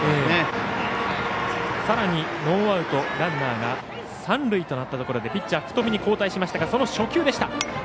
さらにノーアウトランナーが三塁となったところでピッチャー福冨に交代しましたがその初球でした。